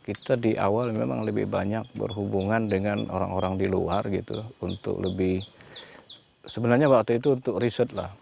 kita di awal memang lebih banyak berhubungan dengan orang orang di luar gitu untuk lebih sebenarnya waktu itu untuk riset lah